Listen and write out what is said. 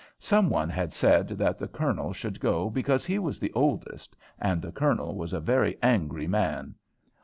Some one had said that the Colonel should go because he was the oldest, and the Colonel was a very angry man.